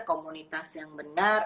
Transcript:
komunitas yang benar